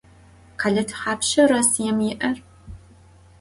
Khele thapşşa Rossiêm yi'er?